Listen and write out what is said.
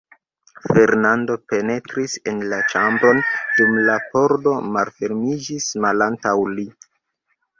Fernando penetris en la ĉambron, dum la pordo malfermiĝis malantaŭ li.